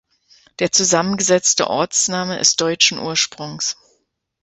Der zusammengesetzte Ortsname ist deutschen Ursprungs.